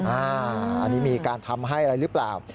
อันนี้มีการทำให้อะไรหรือเปล่า